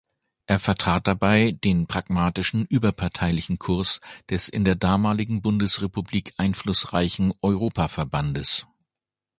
Er vertrat dabei den „pragmatischen überparteilichen Kurs“ des in der damaligen Bundesrepublik einflussreichen Europa-Verbandes.